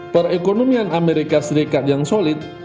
perekonomian as yang solid